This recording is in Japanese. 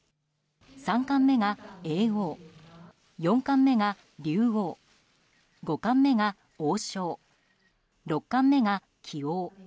三冠目が叡王、四冠目が竜王五冠目が王将、六冠目が棋王。